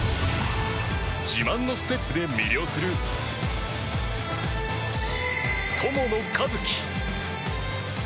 自慢のステップで魅了する友野一希。